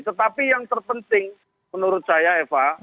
tetapi yang terpenting menurut saya eva